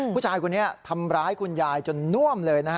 ผู้ชายคนนี้ทำร้ายคุณยายจนน่วมเลยนะฮะ